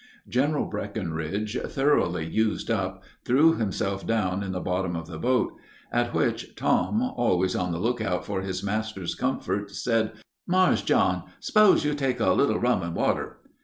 General Breckinridge, thoroughly used up, threw himself down in the bottom of the boat; at which Tom, always on the lookout for his master's comfort, said, "Marse John, s'pose you take a little rum and water."